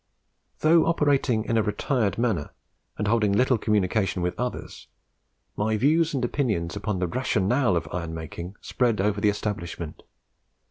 "Though operating in a retired manner, and holding little communication with others, my views and opinions upon the RATIONALE of iron making spread over the establishment.